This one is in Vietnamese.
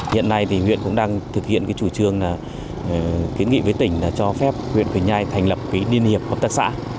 hiện nay thì huyện cũng đang thực hiện cái chủ trương kiến nghị với tỉnh là cho phép huyện quỳnh nhai thành lập cái liên hiệp hợp tác xã